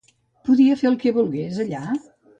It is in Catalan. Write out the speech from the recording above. Podia fer el que volgués allà?